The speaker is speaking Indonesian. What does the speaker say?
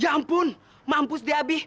ya ampun mampus deh abi